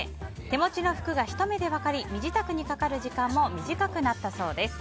手持ちの服がひと目で分かり身支度にかかる時間も短くなったそうです。